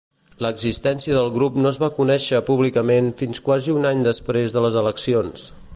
L'existència del grup no es va conèixer públicament fins quasi un any després de les eleccions.